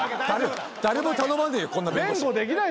誰も頼まねえよこんな弁護士。